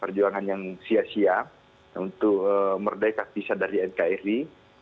perjuangan yang sia sia untuk merdeka visa dari nkri